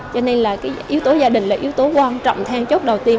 cho nên là cái yếu tố gia đình là yếu tố quan trọng thang chốt đầu tiên